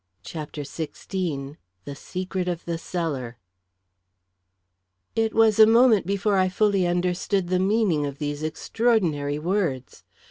CHAPTER XVI The Secret of the Cellar It was a moment before I fully understood the meaning of these extraordinary words.